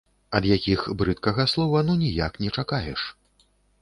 Ад якіх брыдкага слова ну ніяк не чакаеш!